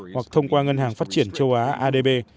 hoặc thông qua ngân hàng phát triển châu á adb